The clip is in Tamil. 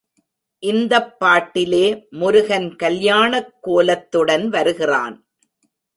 இந்தப் பாட்டிலே முருகன் கல்யாணக் கோலத்துடன் வருகிறான்.